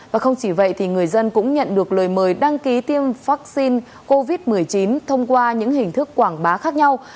và không chỉ vậy thì người dân cũng nhận được lời mời đăng ký tiêm vaccine covid một mươi chín thông qua những hình thức quảng bá khác nhau